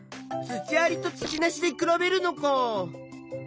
土ありと土なしで比べるのか。